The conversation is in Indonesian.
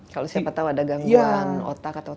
kalau siapa tahu ada gangguan otak atau